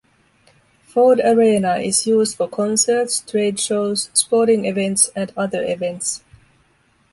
Ford Arena is used for concerts, trade shows, sporting events, and other events.